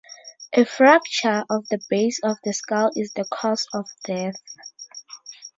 A fracture of the base of the skull is the cause of death.